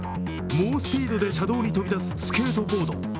猛スピードで車道に飛び出すスケートボード。